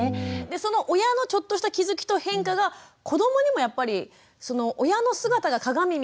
その親のちょっとした気付きと変化が子どもにもやっぱりその親の姿が鏡みたいな感覚で影響していくんですね。